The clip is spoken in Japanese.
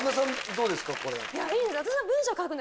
どうですか？